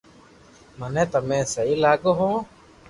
مني تمي سھي لاگو ھين